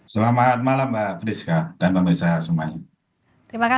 selamat malam mbak priska dan pemirsa semuanya